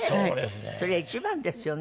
それが一番ですよね。